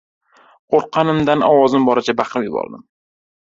Qo‘rqqanimdan ovozim boricha baqirib yubordim: